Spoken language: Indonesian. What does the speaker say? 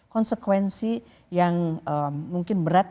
konsekuensi yang mungkin berat